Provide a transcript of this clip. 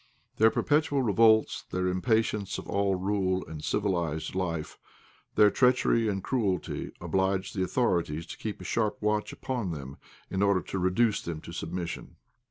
Their perpetual revolts, their impatience of all rule and civilized life, their treachery and cruelty, obliged the authorities to keep a sharp watch upon them in order to reduce them to submission.